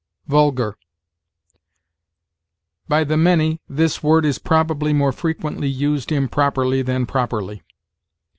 VULGAR. By the many, this word is probably more frequently used improperly than properly.